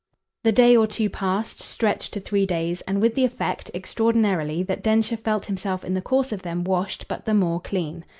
The day or two passed stretched to three days; and with the effect, extraordinarily, that Densher felt himself in the course of them washed but the more clean.